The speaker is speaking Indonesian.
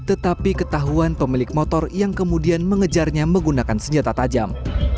tetapi ketahuan pemilik motor yang kemudian mengejarnya menggunakan senjata tajam